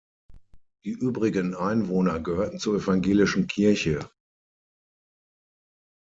Die übrigen Einwohner gehörten zur evangelischen Kirche.